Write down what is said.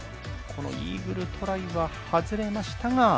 このイーグルトライは外れましたが。